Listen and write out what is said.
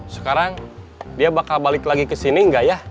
sekarang dia bakal balik lagi ke sini nggak ya